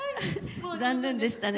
残念でしたね。